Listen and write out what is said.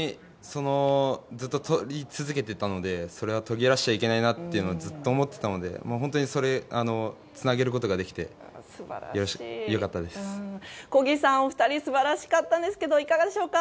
ずっととり続けていたのでとぎらせちゃいけないとずっと思っていたのでそれをつなげることができて小木さん、お二人素晴らしかったですがいかがでしょうか。